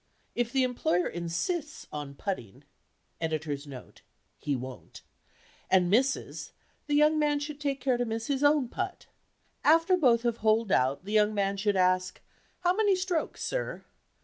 If the employer insists on "putting" [Ed. note:—He won't] and misses, the young man should take care to miss his own "putt." After both have "holed out," the young man should ask, "how many strokes, sir?"